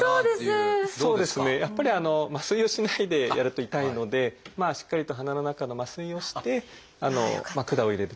やっぱり麻酔をしないでやると痛いのでしっかりと鼻の中の麻酔をして管を入れる。